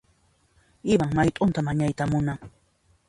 Ivan mayt'unta mañayta munan.